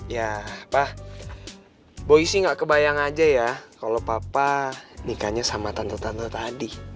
ya pak boy sih nggak kebayang aja ya kalau papa nikahnya sama tante tante tadi